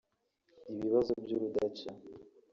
Ibibazo by’urudaca